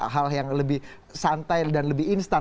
hal yang lebih santai dan lebih instan